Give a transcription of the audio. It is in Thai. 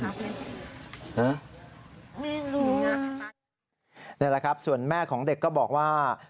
นี่แหละครับส่วนแม่ของเด็กก็บอกว่า